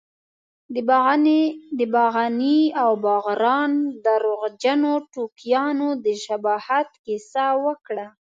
د باغني او باغران درواغجنو ټوکیانو د شباهت کیسه وکړه.